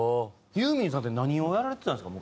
ユーミンさんって何をやられてたんですか？